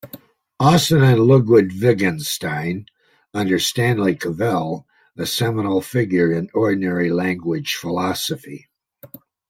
Austin and Ludwig Wittgenstein under Stanley Cavell, a seminal figure in ordinary language philosophy.